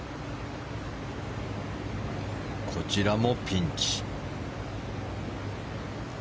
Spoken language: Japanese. こちらもピンチ。